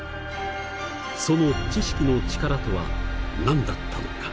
その知識の力とは何だったのか。